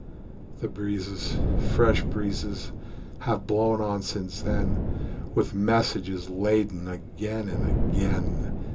The breezes, fresh breezes, have blown on since then, With messages laden again and again.